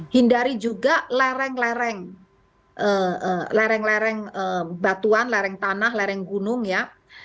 hindari juga lereng lereng batuan lereng tanah lereng gunung ya